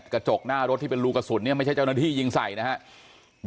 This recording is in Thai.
กระจกหน้ารถที่เป็นรูกระสุนเนี่ยไม่ใช่เจ้าหน้าที่ยิงใส่นะครับ